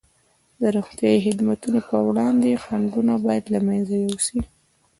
د روغتیايي خدماتو پر وړاندې خنډونه باید له منځه یوسي.